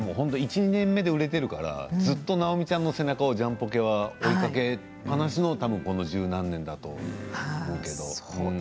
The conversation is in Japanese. １、２年目で売れてるからずっと直美ちゃんの背中をジャンポケは追いかけっぱなしのこの十何年だと思うんですけど。